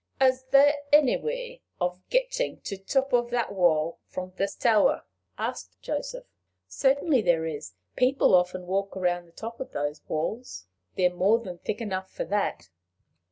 "Is there any way of getting on to the top of that wall from this tower?" asked Joseph. "Certainly there is. People often walk round the top of those walls. They are more than thick enough for that."